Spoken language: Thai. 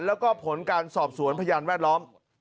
แล้วก็ผลการสอบสวนพยานแวดล้อม